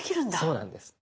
そうなんです。